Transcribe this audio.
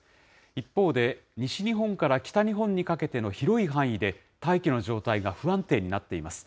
一方で、西日本から北日本にかけての広い範囲で、大気の状態が不安定になっています。